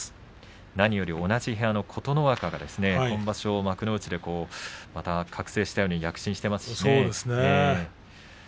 何より同じ部屋の琴ノ若が幕内で覚醒したように躍進していますしね。